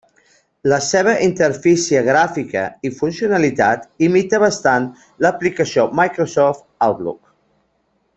La seva interfície gràfica i funcionalitat imita bastant l'aplicació Microsoft Outlook.